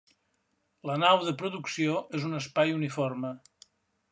La nau de producció és un espai uniforme.